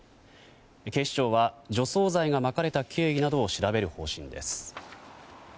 警視庁は除草剤がまかれた経緯などを調べる方針です。